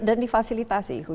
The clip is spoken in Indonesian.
dan difasilitasi khususnya